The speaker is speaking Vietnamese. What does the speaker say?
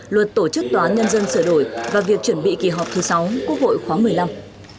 luật tổ chức tòa án nhân dân sửa đổi và việc chuẩn bị kỳ họp thứ sáu quốc hội khoáng một mươi năm